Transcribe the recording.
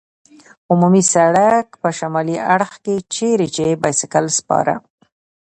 عمومي سړک په شمالي اړخ کې، چېرې چې بایسکل سپاره.